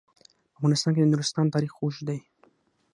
په افغانستان کې د نورستان تاریخ اوږد دی.